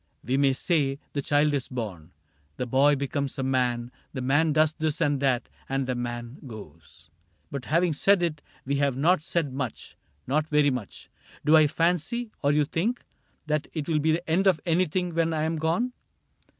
We may say The child is born, the boy becomes a man. The man does this and that, and the man goes, — But having said it we have not said much, Not very much. Do I fancy, or you think. That it will be the end of anything When I am gone